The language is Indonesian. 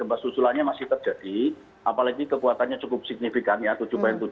gempa susulannya masih terjadi apalagi kekuatannya cukup signifikan ya